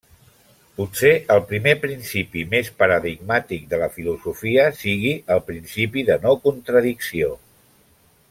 Potser el primer principi més paradigmàtic de la filosofia sigui el principi de no contradicció.